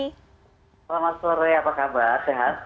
selamat sore apa kabar sehat